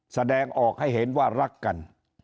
แสดงออกให้เห็นว่ารักกัน